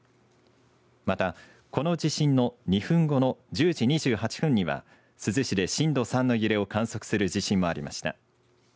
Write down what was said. またこの地震の２分後の１０時２８分には珠洲市で震度３の揺れを観測する地震もありました。